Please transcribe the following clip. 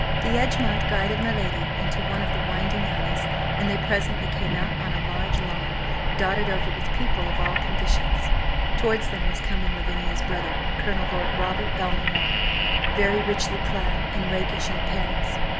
D'Egmont guided my lady into one of the winding alleys, and they presently came out on a large lawn, dotted over with people of all conditions. Towards them was coming Lavinia's brother–Colonel Lord Robert Belmanoir–very richly clad and rakish in appearance.